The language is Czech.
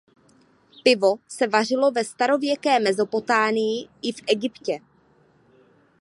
Pivo se vařilo ve starověké Mezopotámii i v Egyptě.